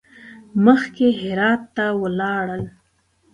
مخکې هرات ته ولاړل.